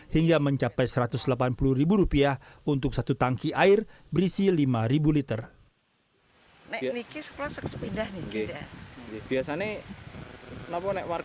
hingga mencapai satu ratus delapan puluh untuk satu tangki air berisi lima liter